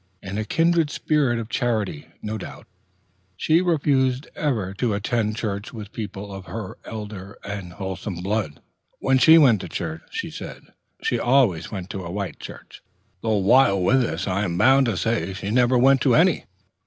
In a kindred spirit of charity, no doubt, she refused ever to attend church with people of her elder and wholesomer blood. When she went to church, she said, she always went to a white church, though while with us I am bound to say she never went to any.